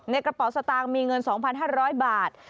กระเป๋าสตางค์มีเงิน๒๕๐๐บาท